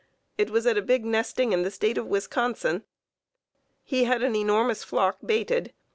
It was at a big nesting in the State of Wisconsin. He had an enormous flock baited.